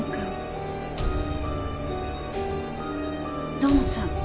土門さん